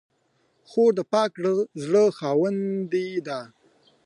خور د پاک زړه خاوندې ده.